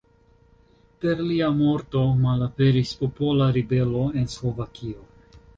Per lia morto malaperis popola ribelo en Slovakio.